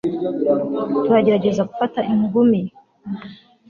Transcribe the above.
turagerageza gufata ingumi